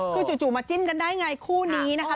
คือจู่มาจิ้นกันได้ไงคู่นี้นะคะ